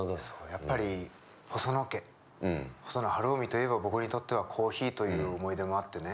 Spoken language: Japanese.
やっぱり細野家細野晴臣といえば僕にとってはコーヒーという思い出もあってね。